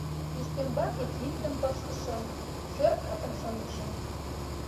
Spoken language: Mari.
Ӱстембаке киндым пыштышым, шӧр атым шындышым.